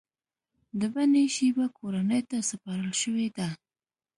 د بنی شیبه کورنۍ ته سپارل شوې ده.